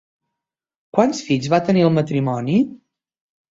Quants fills va tenir el matrimoni?